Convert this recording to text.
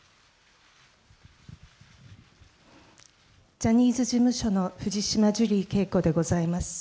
ジャニーズ事務所の藤島ジュリー景子でございます。